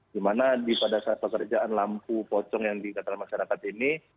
dimana pada saat pekerjaan lampu pocong yang dikatakan masyarakat ini